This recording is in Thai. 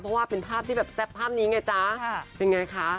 เพราะว่าเป็นภาพที่แบบแซ่บภาพนี้ไงจ๊ะเป็นไงคะ